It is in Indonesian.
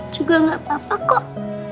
juga gak apa apa kok